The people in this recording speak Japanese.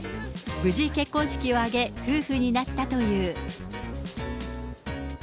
無事結婚式を挙げ、夫婦になったという。